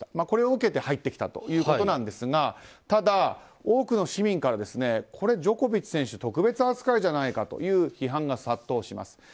これを受けて入ってきたんですがただ、多くの市民からジョコビッチ選手特別扱いじゃないかという批判が殺到します。